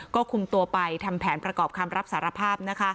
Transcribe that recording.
ก็คุมตัวไปทำแผนประกอบคำรับสารภาพ